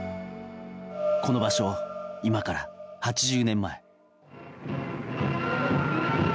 この場所、今から８０年前。